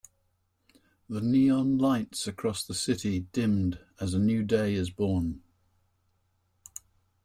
The neon lights across the city dimmed as a new day is born.